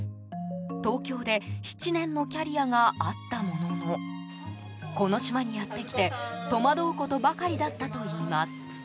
東京で７年のキャリアがあったもののこの島にやってきて戸惑うことばかりだったといいます。